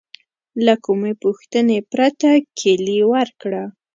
له کومې پوښتنې پرته کیلي ورکړه.